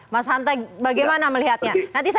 mas hanta bagaimana melihatnya